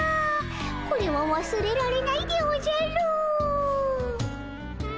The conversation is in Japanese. これはわすれられないでおじゃる。